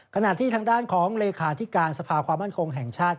ขณะที่ทางด้านของเลขาธิการสภาความมั่นคงแห่งชาติ